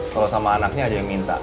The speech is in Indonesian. kalau sama anaknya ada yang minta